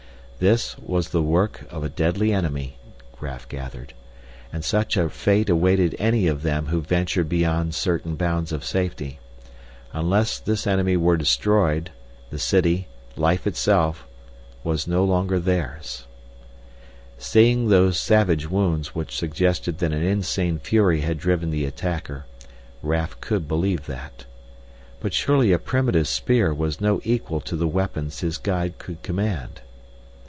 This was the work of a deadly enemy, Raf gathered. And such a fate awaited any one of them who ventured beyond certain bounds of safety. Unless this enemy were destroyed, the city life itself was no longer theirs Seeing those savage wounds which suggested that an insane fury had driven the attacker, Raf could believe that. But surely a primitive spear was no equal to the weapons his guide could command.